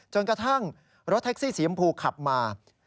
กระทั่งรถแท็กซี่สีชมพูขับมา